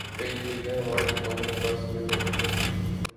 کئی چیزیں ہمارے قومی بس میں نہیں ہیں۔